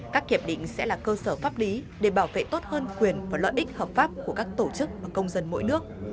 các hiệp định sẽ là cơ sở pháp lý để bảo vệ tốt hơn quyền và lợi ích hợp pháp của các tổ chức và công dân mỗi nước